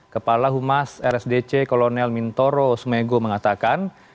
kepala humas rsdc kolonel mintoro smego mengatakan